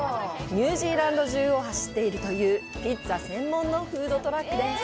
ニュージーランド中を走っているというピッツァ専門のフードトラックです。